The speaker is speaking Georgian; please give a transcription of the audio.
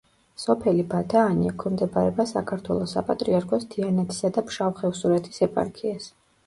სოფელი ბადაანი ექვემდებარება საქართველოს საპატრიარქოს თიანეთისა და ფშავ-ხევსურეთის ეპარქიას.